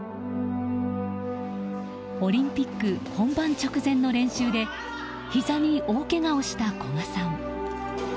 オリンピック本番直前の練習でひざに大けがをした古賀さん。